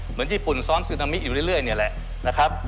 เหมือนญี่ปุ่นซ้อมซึนามิอยู่เรื่อยนี่แหละนะครับ